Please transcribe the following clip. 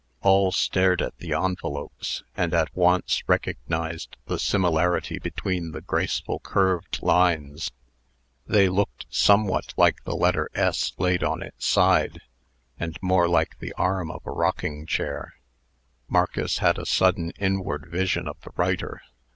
All stared at the envelopes, and at once recognized the similarity between the graceful curved lines. They looked somewhat like the letter S laid on its side; and more like the arm of a rocking chair. Marcus had a sudden inward vision of the writer.